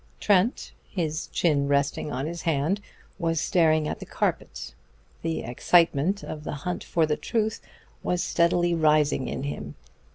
Trent, his chin resting on his hand, was staring at the carpet. The excitement of the hunt for the truth was steadily rising in him.